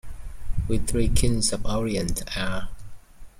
We three Kings of Orient are.